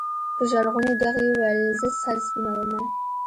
په ژړغوني ږغ يې ويل زه سر سپينومه.